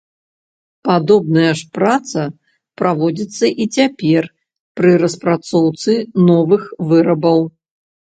Падобная ж праца праводзіцца і цяпер пры распрацоўцы новых вырабаў.